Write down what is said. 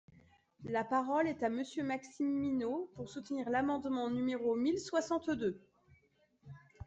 La parole est à Monsieur Maxime Minot, pour soutenir l’amendement numéro mille soixante-deux.